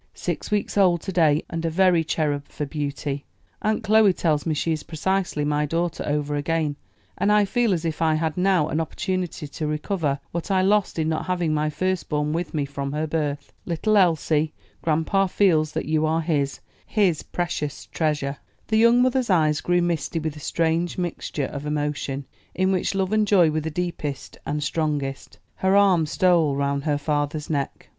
"Six weeks old to day, and a very cherub for beauty. Aunt Chloe tells me she is precisely my daughter over again, and I feel as if I had now an opportunity to recover what I lost in not having my first born with me from her birth. Little Elsie, grandpa feels that you are his; his precious treasure." The young mother's eyes grew misty with a strange mixture of emotion, in which love and joy were the deepest and strongest. Her arm stole round her father's neck.